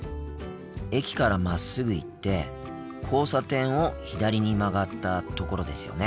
駅からまっすぐ行って交差点を左に曲がったところですよね？